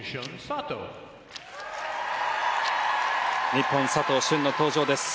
日本佐藤駿の登場です。